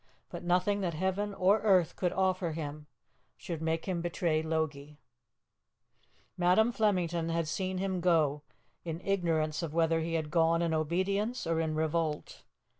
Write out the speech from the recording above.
But nothing that heaven or earth could offer him should make him betray Logie. Madam Flemington had seen him go, in ignorance of whether he had gone in obedience or in revolt.